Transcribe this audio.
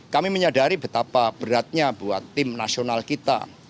kami menyadari betapa beratnya buat tim nasional kita